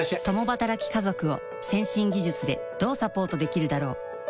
共働き家族を先進技術でどうサポートできるだろう？